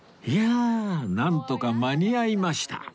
いやあなんとか間に合いました